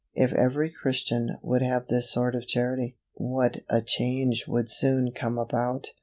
If every Christian would have this sort of Charity, what a change would soon come about.